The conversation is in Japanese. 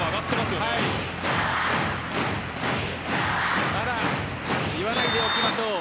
ただまだ言わないでおきましょう。